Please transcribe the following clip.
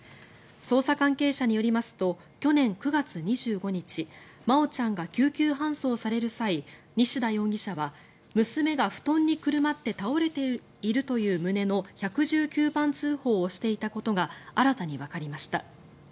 捜査関係者によりますと去年９月２５日真愛ちゃんが救急搬送される際西田容疑者は娘が布団にくるまって倒れているという旨の１１９番通報をしていたこと新たにわかりました。